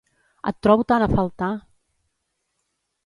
Et trobo tant a faltar!